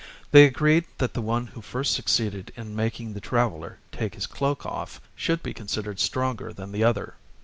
They agreed that the one who first succeeded in making the traveler take his cloak off should be considered stronger than the other.